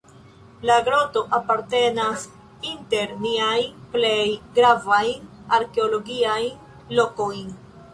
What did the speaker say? La groto apartenas inter niajn plej gravajn arkeologiajn lokojn.